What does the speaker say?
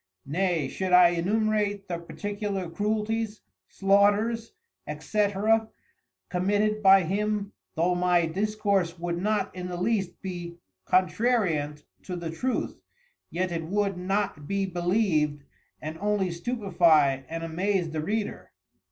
Nay should I enumerate the particular Cruelties, Slaughters, &c. committed by him though my discourse would not in the least be contrariant to the Truth, yet it would not be beleived and only stupifie and amaze the Reader.